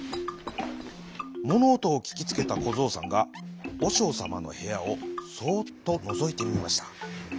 ものおとをききつけたこぞうさんがおしょうさまのへやをそうっとのぞいてみました。